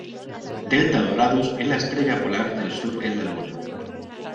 Delta Doradus es la estrella polar del sur en la Luna.